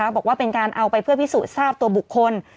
บอกว่าเป็นการเอาไปเพื่อพิสูจน์ทราบตัวบุคคล